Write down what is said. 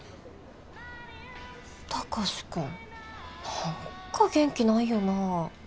貴司君何か元気ないよな？